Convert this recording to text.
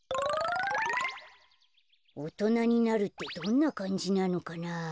おとなになるってどんなかんじなのかなあ。